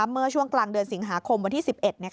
เมื่อช่วงกลางเดือนสิงหาคมวันที่๑๑